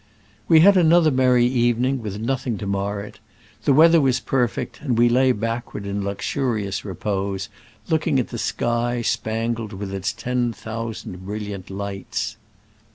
We had another merry evening, with nothing to mar it : the weather was per fect, and we lay backward in luxurious repose, looking at the sky spangled with its ten thousand brilliant lights.